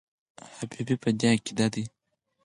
حبیبي په دې عقیده دی.